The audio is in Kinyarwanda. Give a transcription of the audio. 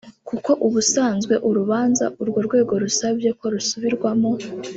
kuko ubusanzwe urubanza urwo rwego rusabye ko rusubirwamo